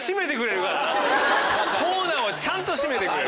コーナーをちゃんと締めてくれる。